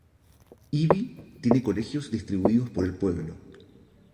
Ibi tiene colegios distribuidos por el pueblo.